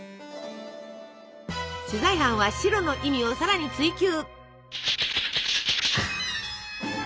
取材班は白の意味を更に追求！